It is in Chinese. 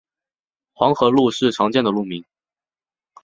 黄河路是常见的路名。